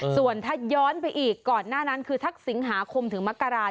ส่วนถ้าย้อนไปอีกก่อนหน้านั้นคือทักสิงหาคมถึงมกรา